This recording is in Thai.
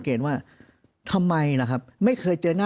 เพราะอาชญากรเขาต้องปล่อยเงิน